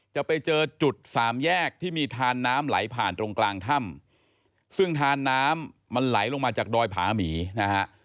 จะไปเจอจุดสามแยกที่มีทานน้ำไหลผ่านตรงกลางถ้ำซึ่งทานน้ำมันไหลลงมาจากดอยผาหมีนะฮะ